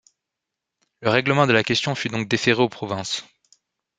Le règlement de la question fut donc déféré aux provinces.